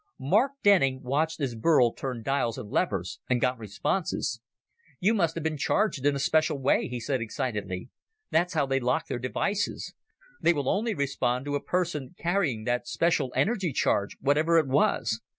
Mark Denning watched as Burl turned dials and levers and got responses. "You must have been charged in a special way," he said excitedly. "That's how they lock their devices. They will only respond to a person carrying that special energy charge, whatever it was.